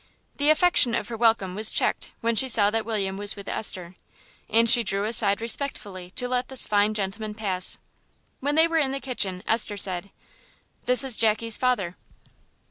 The affection of her welcome was checked when she saw that William was with Esther, and she drew aside respectfully to let this fine gentleman pass. When they were in the kitchen Esther said "This is Jackie's father."